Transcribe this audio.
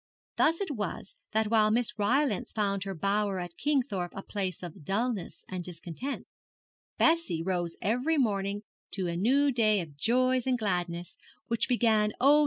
Thus it was that while Miss Rylance found her bower at Kingthorpe a place of dullness and discontent, Bessie rose every morning to a new day of joy and gladness, which began, oh!